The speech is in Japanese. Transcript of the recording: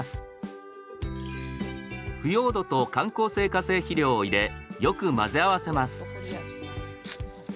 腐葉土と緩効性化成肥料を入れよく混ぜ合わせます。